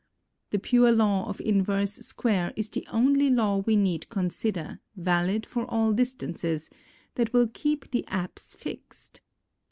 The pure law of inverse square is the only law we need consider, valid for all distances, that will keep the apse fixed.